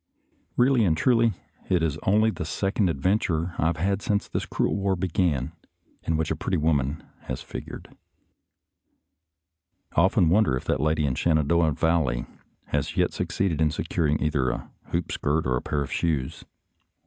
Eeally and truly, it is only the second adven ture I have had since this cruel war began, in which a pretty woman has figured. I often wonder if that lady in the Shenandoah Valley has yet succeeded in securing either a hoop skirt or a pair of shoes.